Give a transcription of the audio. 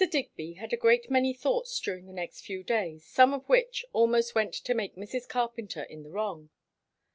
Digby had a great many thoughts during the next few days; some of which almost went to make Mrs. Carpenter in the wrong.